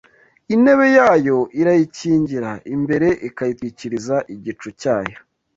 Intebe yayo irayikingira imbere, ikayitwikiriza igicu cyayo.